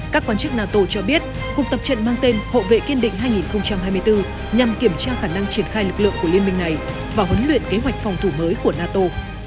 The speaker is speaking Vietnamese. các quan chức nato cho biết cuộc tập trận mang tên hộ vệ kiên định hai nghìn hai mươi bốn nhằm kiểm tra khả năng triển khai lực lượng của liên minh này và huấn luyện kế hoạch phòng thủ mới của nato